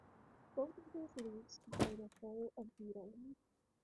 Both of these leagues cover the whole of Italy.